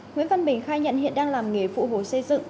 nguyễn văn bình khai nhận hiện đang làm nghề phụ hồ xây dựng